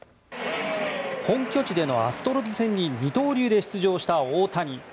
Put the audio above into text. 本拠地でのアストロズ戦に二刀流で出場した大谷。